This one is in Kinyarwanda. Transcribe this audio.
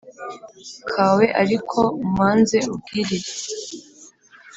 kawe ariko umanze ubwirire